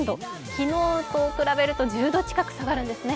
昨日と比べると１０度近く下がりますね。